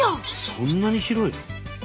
そんなに広いの？